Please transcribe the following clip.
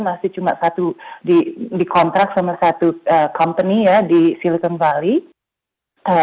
masih cuma satu dikontrak sama satu company ya di silicon valley